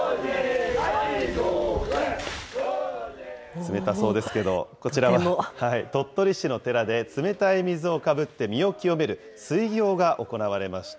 冷たそうですけど、こちらは鳥取市の寺で冷たい水をかぶって身を清める水行が行われました。